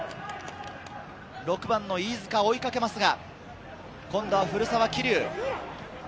６番の飯塚が追いかけますが、今度は古澤希竜。